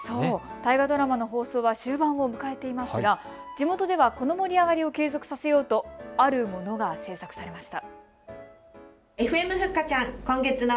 大河ドラマの放送は終盤を迎えていますが地元ではこの盛り上がりを継続させようとあるものが制作されました。